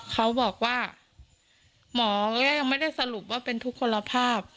เขาบอกว่าหมอก็ยังไม่ได้สรุปว่าเป็นทุกคนภาพ